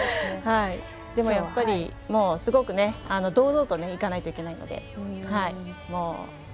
でもやっぱり、すごく堂々と行かないといけないので。